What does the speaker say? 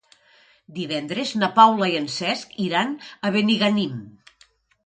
Divendres na Paula i en Cesc iran a Benigànim.